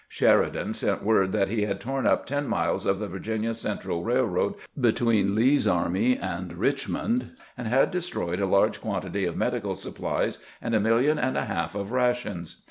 Sheridan sent word that he had torn up ten miles of the Virginia Central Eailroad between Lee's army and Richmond, and had destroyed a large quan tity of medical supplies and a million and a half of rations.